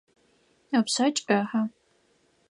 Ыпшъэ кӏыхьэ.